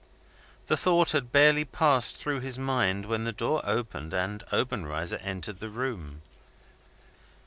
The thought had barely passed through his mind, when the door opened, and Obenreizer entered the room.